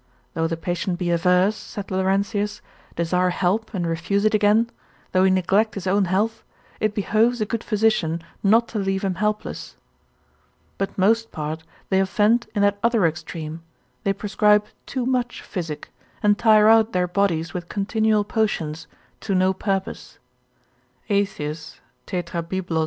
Though the patient be averse, saith Laurentius, desire help, and refuse it again, though he neglect his own health, it behoves a good physician not to leave him helpless. But most part they offend in that other extreme, they prescribe too much physic, and tire out their bodies with continual potions, to no purpose. Aetius tetrabib. 2.